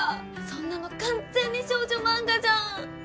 そんなの完全に少女漫画じゃん！